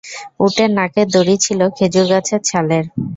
উটের নাকের দড়ি ছিল খেজুর গাছের ছালের।